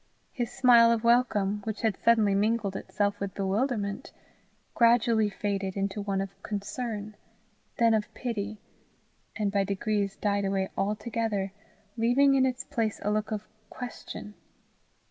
His smile of welcome, which had suddenly mingled itself with bewilderment, gradually faded into one of concern, then of pity, and by degrees died away altogether, leaving in its place a look of question.